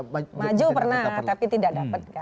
maju pernah tapi tidak dapat kan